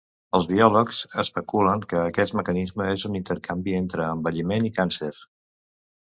Els biòlegs especulen que aquest mecanisme és un intercanvi entre envelliment i càncer.